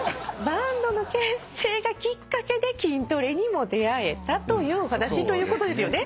バンドの結成がきっかけで筋トレにも出合えたというお話ということですよね？